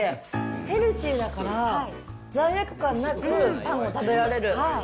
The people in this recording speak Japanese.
ヘルシーだから、罪悪感なくパンを食べられる。